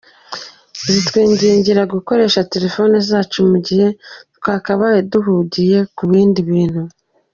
Zitwingingira gukoresha telefoni zacu mu gihe twakabaye duhugiye ku bindi bintu.